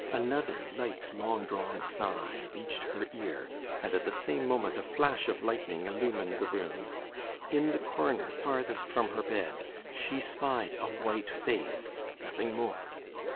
Another light, long drawn sigh reached her ear, and at the same moment a flash of lightning illumined the room. In the corner farthest from her bed, she spied a white face, nothing more.